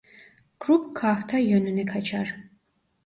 Grup Kahta yönüne kaçar.